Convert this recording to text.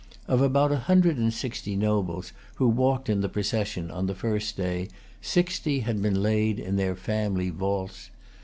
Of about a hundred and sixty nobles who walked in the procession on the first day, sixty had been laid in their family vaults.